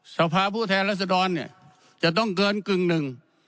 สภาพผู้แทนรัศดรเนี่ยจะต้องเกินกึ่งหนึ่ง